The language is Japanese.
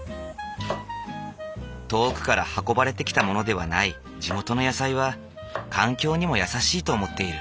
遠くから運ばれてきたものではない地元の野菜は環境にも優しいと思っている。